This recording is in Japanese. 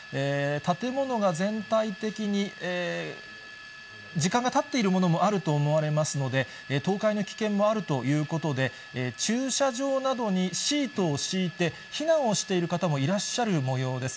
建物が全体的に、時間がたっているものもあると思われますので、倒壊の危険もあるということで、駐車場などにシートを敷いて、避難をしている方もいらっしゃるもようです。